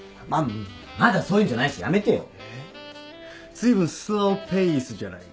ずいぶんスローペースじゃないか。